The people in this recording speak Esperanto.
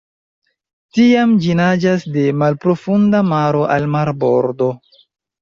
Tiam ĝi naĝas de malprofunda maro al marbordo.